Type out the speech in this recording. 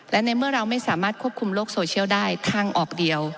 และในเมื่อเราไม่สามารถควบคุมโลกโซเชียลได้ทางออกเดียว